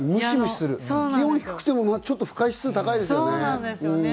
気温が低くても不快指数は高いですよね。